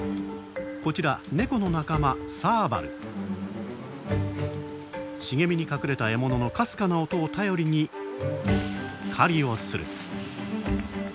こちらネコの仲間茂みに隠れた獲物のかすかな音を頼りに狩りをする。